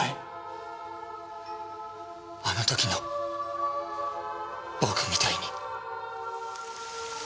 あの時の僕みたいに。